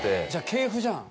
系譜じゃん。